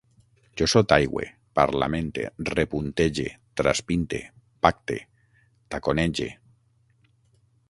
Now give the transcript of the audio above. Jo sotaigüe, parlamente, repuntege, traspinte, pacte, taconege